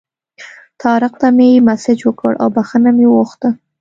طارق ته مې مسیج وکړ او بخښنه مې وغوښته.